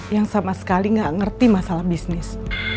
yang sama sekali nggak ngerti masalah bisnis